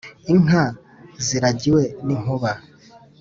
inka ziragiwe n'inkuba,